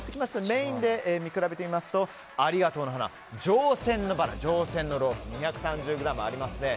メインで見比べてみますとありがとうの花上撰のバラ、上撰のロース２３０ｇありますね。